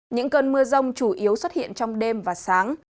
những cơn mưa rông chủ yếu xuất hiện trong đêm và sáng